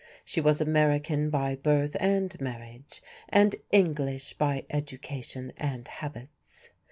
She was American by birth and marriage, and English by education and habits.